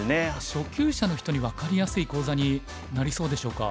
初級者の人に分かりやすい講座になりそうでしょうか？